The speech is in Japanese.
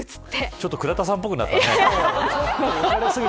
ちょっと倉田さんっぽくなったね。